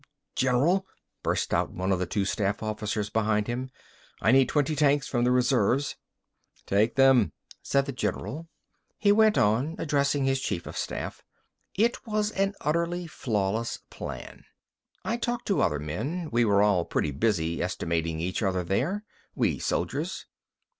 "General," burst out one of the two staff officers behind him. "I need twenty tanks from the reserves." "Take them," said the general. He went on, addressing his chief of staff. "It was an utterly flawless plan. I talked to other men. We were all pretty busy estimating each other there, we soldiers.